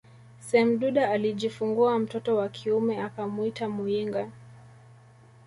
Semduda alijifungua mtoto wa kiume akamuita Muyinga